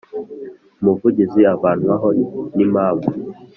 Umuvugizi avanwaho n impamvu